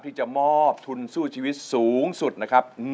ที่จะมอบทุนสู้ชีวิตสูงสุดนะครับ